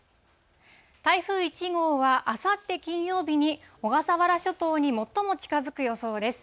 台風１号は、あさって金曜日に小笠原諸島に最も近づく予想です。